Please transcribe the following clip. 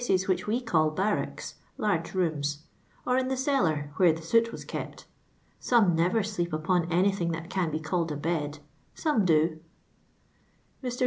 s which we call barracks (large rooms^, or in till' cellar (wlu*re the soot was kept) ; 8ome never sU'cp upiin anything; th.it can be called a bed ; K)nie d«»." .Mr.